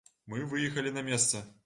Мы выехалі на месца.